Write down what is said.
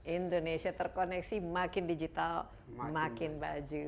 indonesia terkoneksi makin digital makin baju